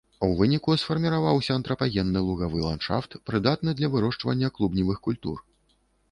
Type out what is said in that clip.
У выніку сфарміраваўся антрапагенны лугавы ландшафт, прыдатны для вырошчвання клубневых культур.